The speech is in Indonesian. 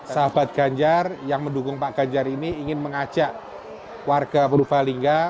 sahabat ganjar yang mendukung pak ganjar ini ingin mengajak warga purbalingga